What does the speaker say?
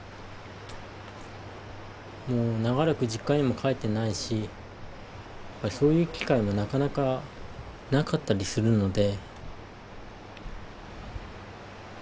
もう長らく実家にも帰ってないしそういう機会もなかなかなかったりするので。